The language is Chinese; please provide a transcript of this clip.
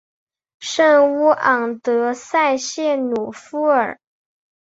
圣乌昂德塞谢鲁夫尔。